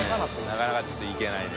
なかなかちょっといけないね。